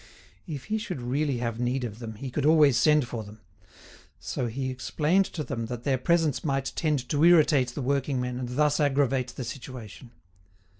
If he should really have need of them he could always send for them. So he explained to them that their presence might tend to irritate the working men and thus aggravate the situation.